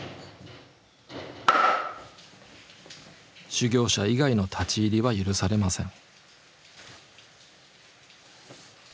修行者以外の立ち入りは許されません。